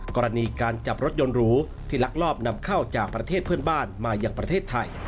กรณีการจับรถยนต์หรูที่ลักลอบนำเข้าจากประเทศเพื่อนบ้านมาอย่างประเทศไทย